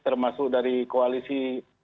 termasuk dari koalisi